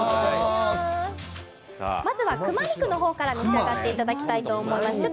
まずは熊肉の方から召し上がっていただきたいと思います。